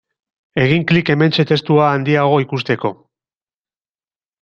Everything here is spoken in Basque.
Egin klik hementxe testua handiago ikusteko.